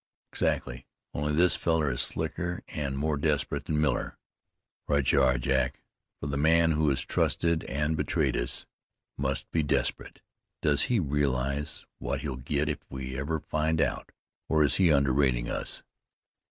"Exactly, only this fellar is slicker an' more desperate than Miller." "Right you are, Jack, for the man who is trusted and betrays us, must be desperate. Does he realize what he'll get if we ever find out, or is he underrating us?"